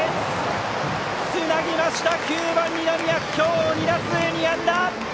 つなぎました、９番、二宮は今日、２打数２安打！